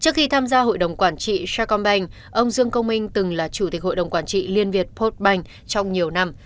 trước khi tham gia hội đồng quản trị shagon banh ông dương công minh từng là chủ tịch hội đồng quản trị liên việt pot bank trong nhiều năm